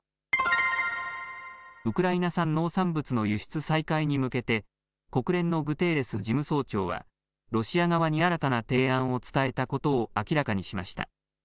ウクライナ産農産物の輸出再開に向けて国連のグテーレス事務総長はロシア側に新たな提案を伝えたことを明らかにしました。